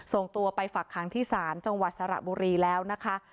ส่งตัวไปฝักขังที่ศาลจังหวัดสระบุรีแล้วนะคะ